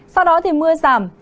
sau đó thì mưa giảm